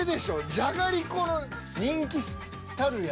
じゃがりこの人気たるや。